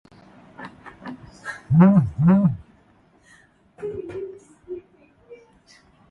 viazi lishe husagwa